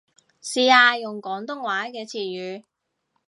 試下用廣東話嘅詞語